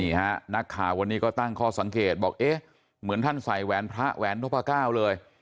นักข่าววันนี้ก็ตั้งข้อสังเกตบอกเอ๊ะเหมือนท่านใส่แหวนพระแหวนนพก้าวเลย